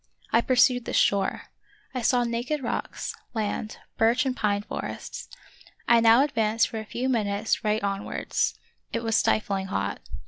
I pursued this shore. I saw naked rocks, land, birch and pine forests. I now advanced for a few minutes right on wards. It was stifling hot.